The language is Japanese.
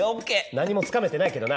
何もつかめてないけどな。